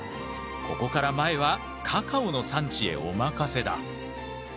ここから前はカカオの産地へお任せだ。